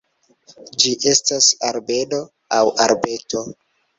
Ĝi estas arbedo aŭ arbeto.